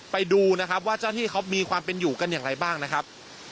ไปดูนะครับว่าเจ้าหน้าที่เขามีความเป็นอยู่กันอย่างไรบ้างนะครับ